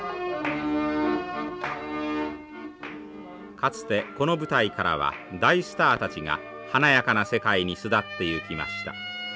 かつてこの舞台からは大スターたちが華やかな世界に巣立っていきました。